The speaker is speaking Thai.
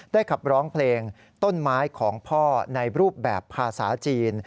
ขับร้องเพลงต้นไม้ของพ่อในรูปแบบภาษาจีน